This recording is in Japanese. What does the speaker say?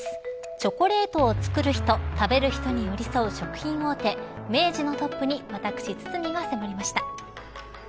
チョコレートを作る人食べる人に寄り添う食品大手明治のトップに私堤が迫りました。